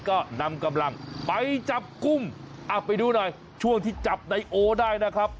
ก็นำกำลังไปจับกลุ่มอ่ะไปดูหน่อยช่วงที่จับไนโอได้นะครับ